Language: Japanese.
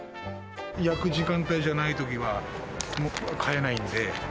焼く時間帯じゃないときは、もう買えないんで。